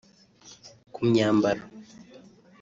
ku myambaro